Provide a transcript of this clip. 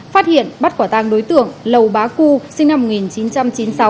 phát hiện bắt quả tang đối tượng lầu bá cư sinh năm một nghìn chín trăm chín mươi sáu